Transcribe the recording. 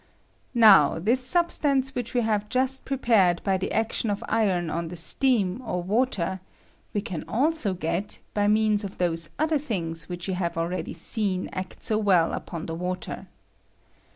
Now this Butstence which we have just pre pared by the action of iron on the steam or water, we can also get by means of those other things which you have already seen act so well upon the water.